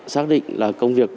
xác định là công việc